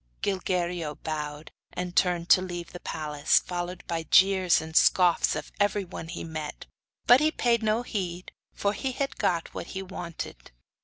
Gilguerillo bowed, and turned to leave the palace, followed by the jeers and scoffs of everyone he met. But he paid no heed, for he had got what he wanted.